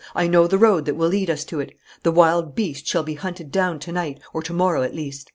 I know the road that will lead us to it. The wild beast shall be hunted down to night, or to morrow at least.